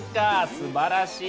すばらしい。